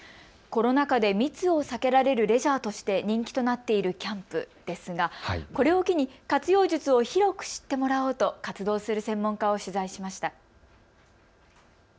コロナ禍で密を避けられるレジャーとして人気となっているキャンプですがこれを機に活用術を広く知ってもらおうと活動する専門家を取材しました。